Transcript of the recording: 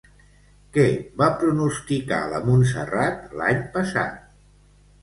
Què va pronosticar la Montserrat l'any passat?